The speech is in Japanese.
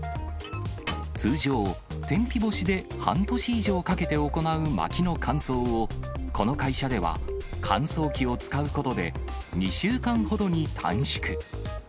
通常、天日干しで半年以上かけて行うまきの乾燥を、この会社では乾燥機を使うことで、２週間ほどに短縮。